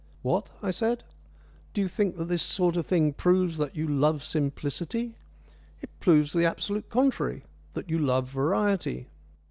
"What?" I said. "Do you think that this sort of thing proves that you love simplicity? It proves the absolute contrary that you love variety.